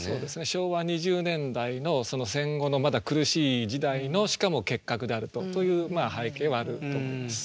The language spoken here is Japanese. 昭和２０年代の戦後のまだ苦しい時代のしかも結核であるという背景はあると思います。